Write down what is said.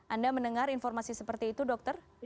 anda mendengar informasi seperti itu dokter